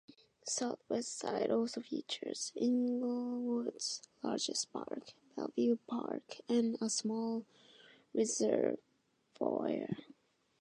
The southwest side also features Englewood's largest park, Belleview Park, and a small reservoir.